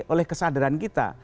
oleh kesadaran kita